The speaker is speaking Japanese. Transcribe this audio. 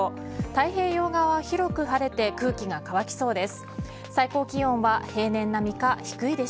太平洋側は広く晴れて空気が乾きそうです。